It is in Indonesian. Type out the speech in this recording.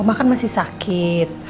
oma kan masih sakit